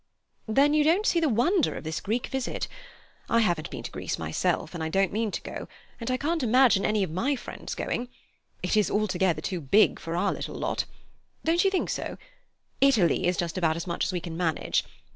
"Then you don't see the wonder of this Greek visit. I haven't been to Greece myself, and don't mean to go, and I can't imagine any of my friends going. It is altogether too big for our little lot. Don't you think so? Italy is just about as much as we can manage.